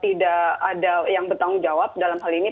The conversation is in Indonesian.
tidak ada yang bertanggung jawab dalam hal ini